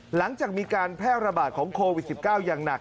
หลังจากมีการแพร่ระบาดของโควิด๑๙อย่างหนัก